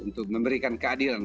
untuk memberikan keadilan